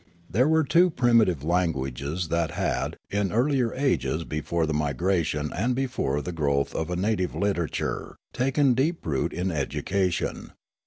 There were two primitive languages that had, in earlier ages before the migration and before the growth of a native literature, taken deep root in education.